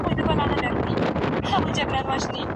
که انلاين ټولګي دوامداره وي زده کړه نه درېږي.